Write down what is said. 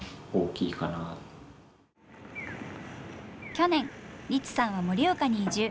去年リツさんは盛岡に移住。